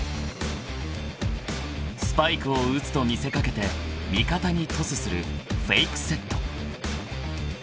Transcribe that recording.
［スパイクを打つと見せかけて味方にトスするフェイクセット］